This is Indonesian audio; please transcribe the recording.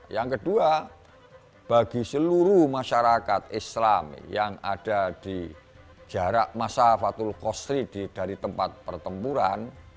yang kedua bagi seluruh masyarakat islam yang ada di jarak masa fatul kosri dari tempat pertempuran